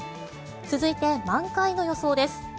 続いて満開の予想です。